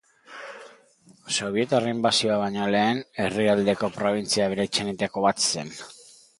Sobietar inbasioa baino lehen herrialdeko probintzia aberatsenetako bat zen.